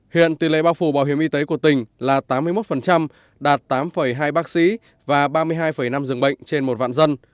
hiện tỷ lệ bao phủ bảo hiểm y tế của tỉnh là tám mươi một đạt tám hai bác sĩ và ba mươi hai năm dường bệnh trên một vạn dân